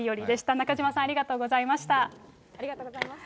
中島さん、ありがとうござありがとうございました。